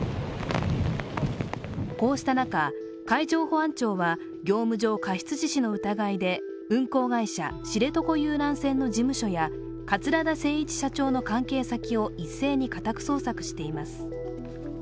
こうした中、海上保安庁は業務上過失致死の疑いで運航会社・知床遊覧船の事務所や桂田精一社長の関係先を一斉に家宅捜索しています。